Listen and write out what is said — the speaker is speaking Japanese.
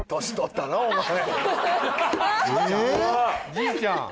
じいちゃん。